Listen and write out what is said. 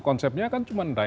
konsepnya kan cuman